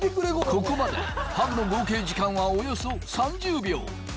ここまでハグの合計時間はおよそ３０秒。